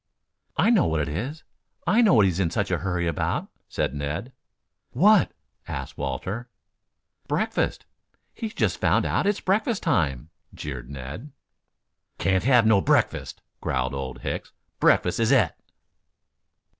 "I know what it is I know what he's in such a hurry about," said Ned. "What?" asked Walter. "Breakfast. He's just found out it's breakfast time," jeered Ned. "Can't have no breakfast," growled Old Hicks. "Breakfast is et."